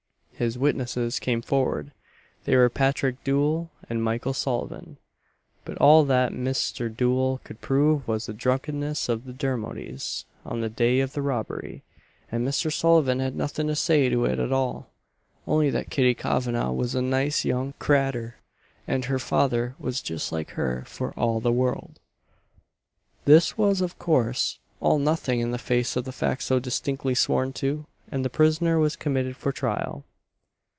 His witnesses came forward; they were Patrick Doole and Michael Sullivan. But all that Misther Doole could prove was the drunkenness of the Dermodys on the day of the robbery; and Mr. Sullivan had nothing to say to it at all, only that Kitty Kavanagh was a nice young cratur, and her father was just like her for all the world. This was of course all nothing in the face of the fact so distinctly sworn to, and the prisoner was committed for trial.